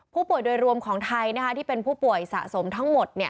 ผู้ป่วยโดยรวมของไทยที่เป็นผู้ป่วยสะสมทั้งหมด